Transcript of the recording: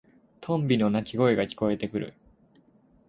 トンビの鳴き声が聞こえてくる。